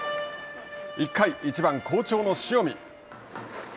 １回、１番好調の塩見。